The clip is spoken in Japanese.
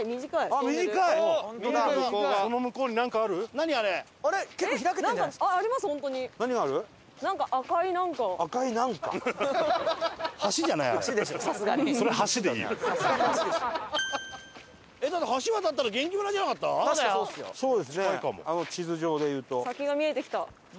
あの地図上で言うと。